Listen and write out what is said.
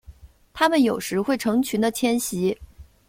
它们有时会成群的迁徙。